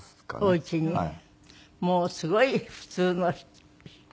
もうすごい普通の人みたいね。